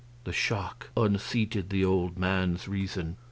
The shock unseated the old man's reason.